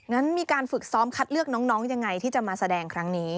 งั้นมีการฝึกซ้อมคัดเลือกน้องยังไงที่จะมาแสดงครั้งนี้